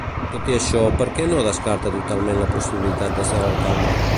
Tot i això, per què no descarta totalment la possibilitat de ser l'alcalde?